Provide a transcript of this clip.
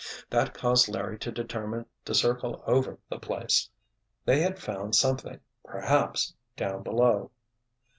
That caused Larry to determine to circle over the place. They had found something, perhaps, down below!